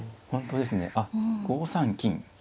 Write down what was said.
あっ５三金。